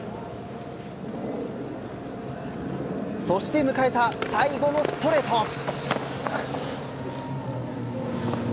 そして迎えた最後のストレート。